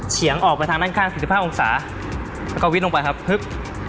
เฉียงออกไปทางด้านข้างสิบสิบห้าองศาแล้วก็วิดลงไปครับพึบ